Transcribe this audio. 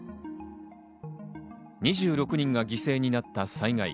２６人が犠牲になった災害。